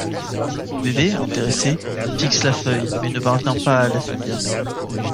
Le bébé, intéressé, fixe la feuille mais ne parvient pas à la saisir.